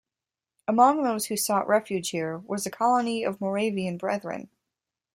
Among those who sought refuge here was a colony of Moravian Brethren.